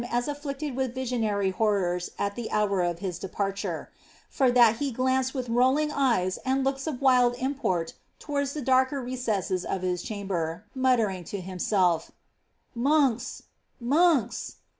as afflicted with visionary horrors at the hoar of his deputare ; for dul he glanced with rolling eyes and looks of wild import towards ibi darker recesses of his chamber, muttering to himself, ^ Monks — monks!"